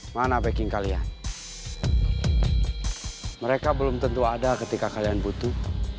mana backing kalian mereka belum tentu ada ketika kalian butuh